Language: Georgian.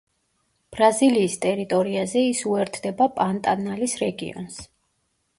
ბრაზილიის ტერიტორიაზე ის უერთდება პანტანალის რეგიონს.